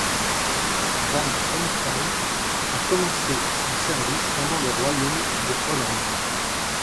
Van Omphal a commencé son service pendant le Royaume de Hollande.